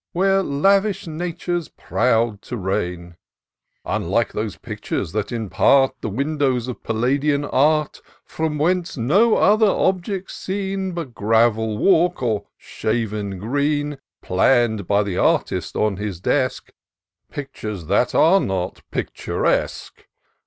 Where lavish Nature's proud to reign ! Unlike those pictures that impart The windows of PaUadian art, From whence no other object's seen But gravel walk, or shaven green ; Plann'd by the artist on his desk ; Pictures that are not picturesque.